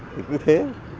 thì cứ thế